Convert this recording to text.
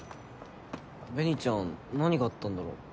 紅ちゃん何があったんだろ。